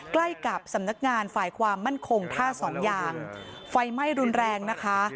ใกล้กับสำนักงานฝ่ายความมั่นคงท่าสองยางไฟไหม้รุนแรงนะคะ